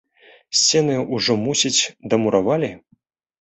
Сцены ўжо, мусіць, дамуравалі?